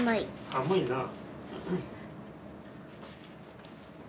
寒いなあ。